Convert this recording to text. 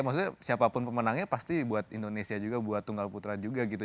maksudnya siapapun pemenangnya pasti buat indonesia juga buat tunggal putra juga gitu